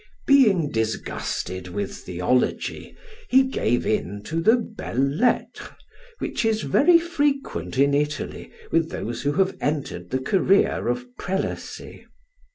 Being disgusted with theology, he gave in to the belle lettres, which is very frequent in Italy, with those who have entered the career of prelacy.